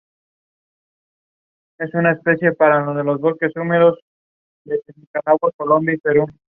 Los últimos versos son "¡duerme sin tu alegría, duerme sin tu dolor!